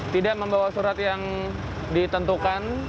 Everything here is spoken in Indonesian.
tidak membawa surat yang ditentukan